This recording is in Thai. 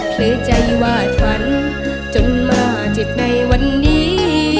คือใจวาดฝันจนมาจิตในวันนี้